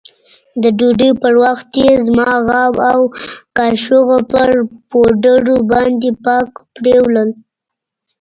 د ډوډۍ پر وخت يې زما غاب او کاشوغه په پوډرو باندې پاک پرېولل.